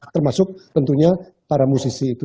termasuk tentunya para musisi itu